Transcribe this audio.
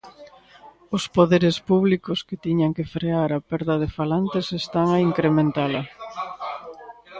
"Os poderes públicos que tiñan que frear a perda de falantes están a incrementala".